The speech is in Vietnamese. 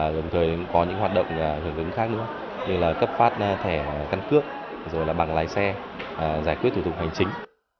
đồng thời có những hoạt động hưởng ứng khác nữa như là cấp phát thẻ căn cước rồi là bằng lái xe giải quyết thủ tục hành chính